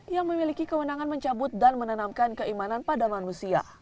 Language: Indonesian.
yang memiliki kewenangan mencabut dan menanamkan keimanan pada manusia